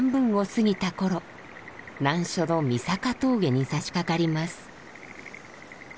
難所の三坂峠にさしかかります。